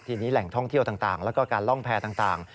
ทีนี้แหล่งท่องเที่ยวต่างแล้วก็การล่องแพร่ต่าง